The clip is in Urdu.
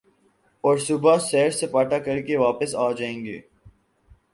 اور صبح سیر سپاٹا کر کے واپس آ جائیں گے ۔